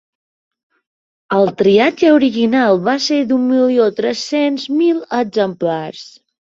El tiratge original va ser d'un milió tres-cents mil exemplars.